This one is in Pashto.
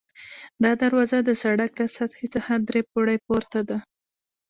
دا دروازه د سړک له سطحې څخه درې پوړۍ پورته ده.